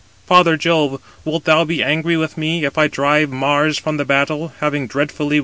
Father Jove, wilt thou be angry with me if I drive Mars from the battle, having dreadfully wounded him?"